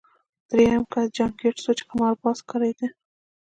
درېیم کس جان ګیټس و چې قمارباز ښکارېده